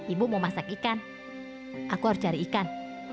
ibu mau masak ikan aku harus cari ikan